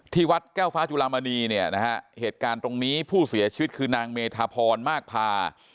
วัดแก้วฟ้าจุลามณีเนี่ยนะฮะเหตุการณ์ตรงนี้ผู้เสียชีวิตคือนางเมธาพรมากพา